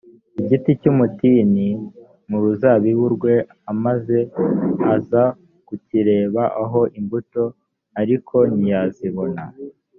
igiti cy umutini mu ruzabibu rwe a maze aza kukirebaho imbuto ariko ntiyazibona